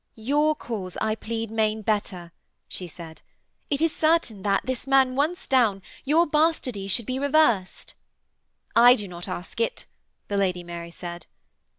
'Your cause I plead main better,' she said. 'It is certain that, this man once down, your bastardy should be reversed.' 'I do not ask it,' the Lady Mary said.